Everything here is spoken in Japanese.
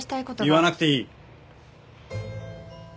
言わなくていい。